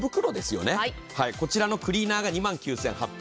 こちらのクリーナーが２万９８００円。